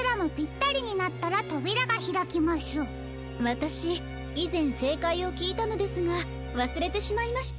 わたしいぜんせいかいをきいたのですがわすれてしまいまして。